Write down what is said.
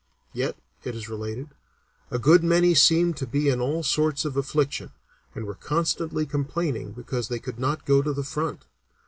"Yet," it is related, "a good many seemed to be in all sorts of affliction, and were constantly complaining because they could not go to the front.